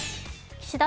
岸田